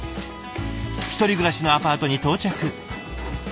１人暮らしのアパートに到着。